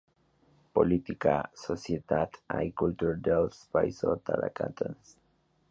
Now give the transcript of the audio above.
Política, societat i cultura dels Països Catalans".